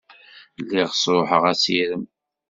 Lliɣ sṛuḥeɣ assirem.